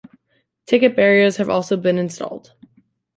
Ticket barriers have also been installed.